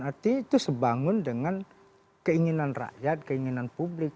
artinya itu sebangun dengan keinginan rakyat keinginan publik